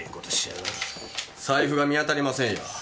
財布が見当たりませんよ。